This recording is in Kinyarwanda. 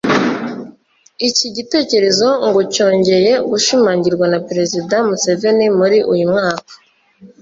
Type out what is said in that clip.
Iki gitekerezo ngo cyongeye gushimangirwa na Perezida Museveni muri uyu mwaka